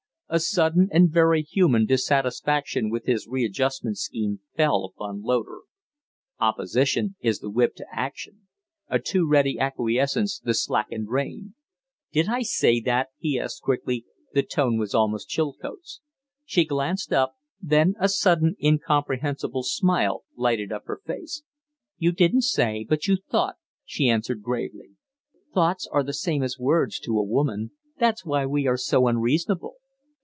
A sudden and very human dissatisfaction with his readjustment scheme fell upon Loder. Opposition is the whip to action; a too ready acquiescence the slackened rein. "Did I say that?" he asked, quickly. The tone was almost Chilcote's. She glanced up; then a sudden, incomprehensible smile lighted up her face. "You didn't say, but you thought," she answered, gravely. "Thoughts are the same as words to a woman. That's why we are so unreasonable."